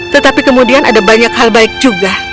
tetapi kemudian ada banyak hal baik juga